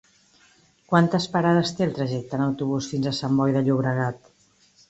Quantes parades té el trajecte en autobús fins a Sant Boi de Llobregat?